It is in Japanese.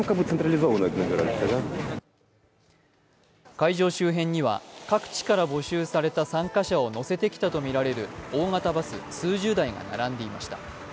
会場周辺には各地から募集された参加者を乗せてきたとみられる大型バス数十台が並んでいました。